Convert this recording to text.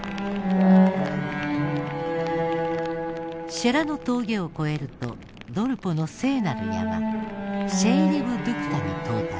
シェ・ラの峠を越えるとドルポの聖なる山シェイ・リブ・ドゥクタに到達。